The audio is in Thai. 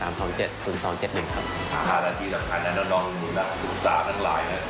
อ่าแล้วที่สำคัญนะน้องสุขศาสตร์ทั้งหลายนะ